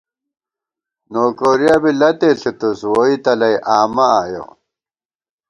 نوکورِیَہ بی لتے ݪِتُوس ، ووئی تَلئ آمہ آیَہ